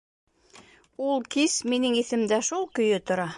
Ул кис минең иҫемдә шул көйө тора.